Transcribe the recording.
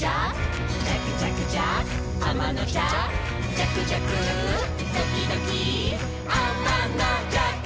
「じゃくじゃくドキドキあまのじゃく」